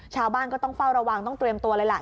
ชาวบ้านก็ต้องเฝ้าระวังต้องเตรียมตัวเลยล่ะ